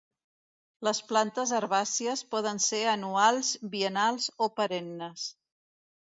Les plantes herbàcies poden ser anuals, biennals o perennes.